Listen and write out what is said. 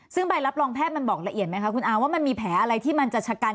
ซึ่งใบรับรองแพทย์บอกละเอียดไหมคะมีแผลอะไรที่จะชะกัน